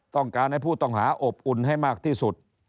ต้องการให้ผู้ต้องหาอบอุ่นให้มากที่สุด